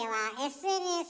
ＳＮＳ？